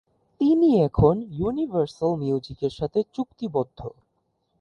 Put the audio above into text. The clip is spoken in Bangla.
তিনি এখন ইউনিভার্সাল মিউজিক এর সাথে চুক্তিবদ্ধ।